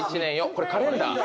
これカレンダー？